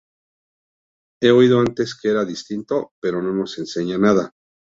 He oído que antes era distinto, pero no nos enseña nada...".